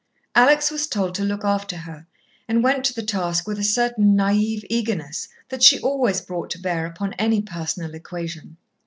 Alex was told to look after her, and went to the task with a certain naïve eagerness, that she always brought to bear upon any personal equation.